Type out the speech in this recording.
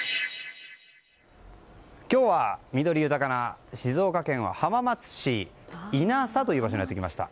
今日は緑豊かな静岡県は浜松市引佐という場所にやってきました。